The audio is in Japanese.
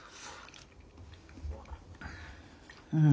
うん。